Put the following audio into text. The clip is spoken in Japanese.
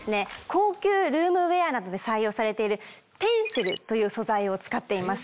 高級ルームウエアなどで採用されているテンセルという素材を使っています。